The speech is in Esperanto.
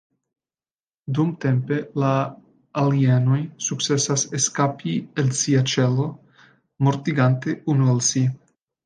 Dumtempe, la "alien-oj" sukcesas eskapi el sia ĉelo, mortigante unu el si.